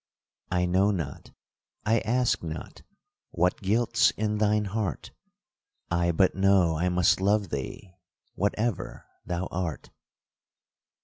I know not, I ask not, what guilt's in thine heart, I but know I must love thee, whatever thou art.